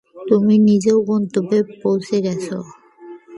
তুমি নিজের গন্তব্যে পৌঁছে গেছ।